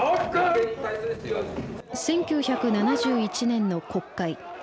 １９７１年の国会。